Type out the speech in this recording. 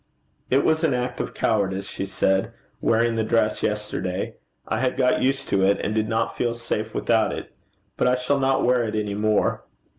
'It was an act of cowardice,' she said, 'wearing the dress yesterday. I had got used to it, and did not feel safe without it; but I shall not wear it any more.'